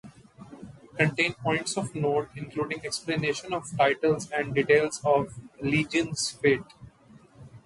Contains points of note, including explanation of titles and details of a legion's fate.